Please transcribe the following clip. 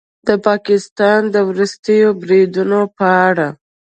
د پاکستان د وروستیو بریدونو په اړه